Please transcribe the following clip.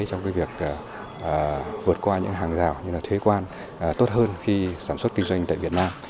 trong việc vượt qua những hàng rào như là thuế quan tốt hơn khi sản xuất kinh doanh tại việt nam